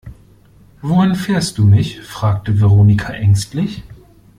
Wohin fährst du mich, fragte Veronika ängstlich.